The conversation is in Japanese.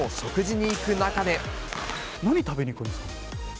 何食べに行くんですか？